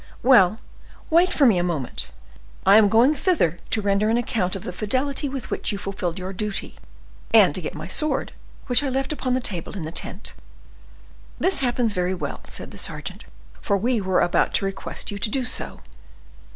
"Well, wait for me a moment; I am going thither to render an account of the fidelity with which you fulfilled your duty, and to get my sword, which I left upon the table in the tent." "This happens very well," said the sergeant, "for we were about to request you to do so."